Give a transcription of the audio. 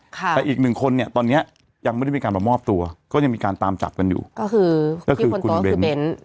แต่อีกหนึ่งคนเนี่ยตอนเนี้ยยังไม่ได้มีการมามอบตัวก็ยังมีการตามจับกันอยู่ก็คือก็คือคุณเบรมเมนต์